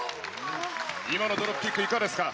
今のドロップキック、いかがですか。